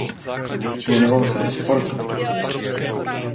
Věnoval se i sportu.